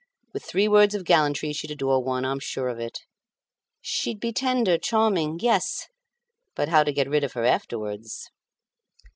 With three words of gallantry she'd adore one, I'm sure of it. She'd be tender, charming. Yes; but how to get rid of her afterwards?"